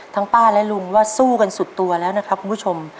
ป้าและลุงว่าสู้กันสุดตัวแล้วนะครับคุณผู้ชม